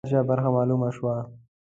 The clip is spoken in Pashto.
د هر چا برخه معلومه شوه.